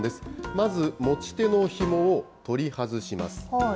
まず、持ち手のひもを取り外します。